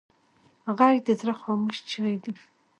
غږ د زړه خاموش چیغې دي